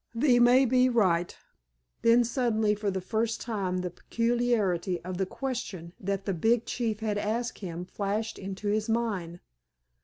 "Thee may be right." Then suddenly for the first time the peculiarity of the question that the big chief had asked him flashed into his mind.